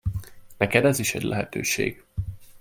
Neked ez is egy lehetőség.